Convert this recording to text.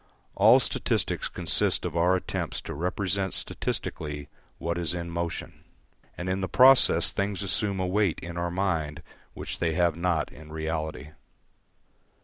All statistics consist of our attempts to represent statistically what is in motion; and in the process things assume a weight in our mind which they have not in reality.